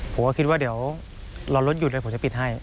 ผมก็คิดว่าเดี๋ยวรอรถหยุดเลยผมจะปิดให้